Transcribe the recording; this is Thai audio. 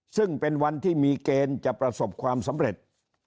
ซึ่งเป็นวันที่มีเกณฑ์จะประสบความสำเร็จ